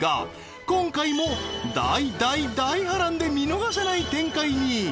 今回も大大大波乱で見逃せない展開に！